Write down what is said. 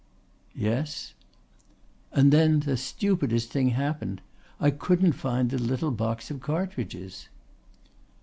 "Yes?" "And then the stupidest thing happened. I couldn't find the little box of cartridges."